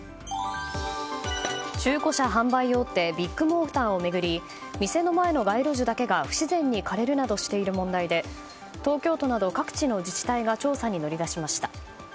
中古車販売大手ビッグモーターを巡り店の前の街路樹だけが不自然に枯れるなどした問題で東京都など各地の自治体が調査に乗り出しました。